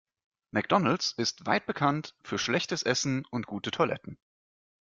McDonald's ist weit bekannt für schlechtes Essen und gute Toiletten.